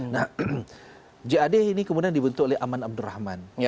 nah jad ini kemudian dibentuk oleh aman abdurrahman